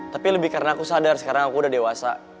tapi lebih karena aku sadar sekarang aku udah dewasa